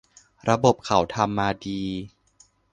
ระบบเขาทำมาดี